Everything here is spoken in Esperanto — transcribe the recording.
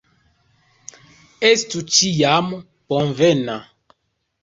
Estu ĉiam bonvena!